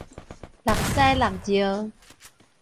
搦屎搦尿